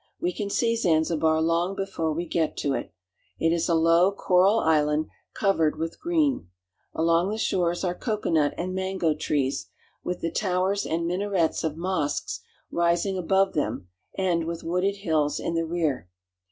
We can see Zanzibar long before we get to it. It is a low coral island, covered with green. Along the shores are cocoanut and mango trees, with the towers and minarets of mosques rising above them and with wooded hills in the rear.